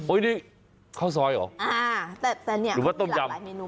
โอ้ยนี่ข้าวซอยเหรออ่าแต่แต่เนี้ยเขามีหลายหลายเมนู